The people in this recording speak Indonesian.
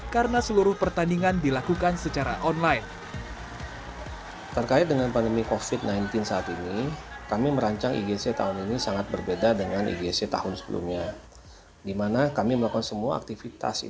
karena seluruh pertandingan dilakukan secara online